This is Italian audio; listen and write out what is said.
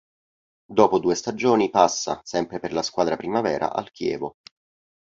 Dopo due stagioni passa, sempre per la squadra primavera al Chievo.